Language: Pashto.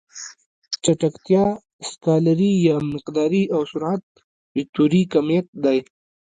چټکتیا سکالري يا مقداري او سرعت وکتوري کميت دی.